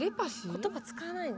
言葉使わないの。